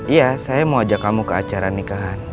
iya saya mau ajak kamu ke acara nikahan